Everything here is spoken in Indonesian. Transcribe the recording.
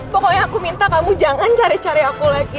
pokoknya aku minta kamu jangan cari cari aku lagi